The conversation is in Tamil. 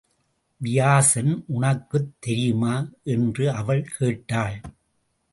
வியாசன் உனக்குத் தெரியுமா? என்று அவள் கேட்டாள்.